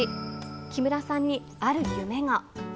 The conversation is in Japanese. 木村さんにある夢が。